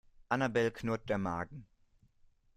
Annabel knurrt der Magen.